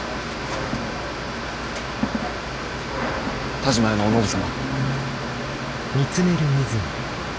田嶋屋のお信様。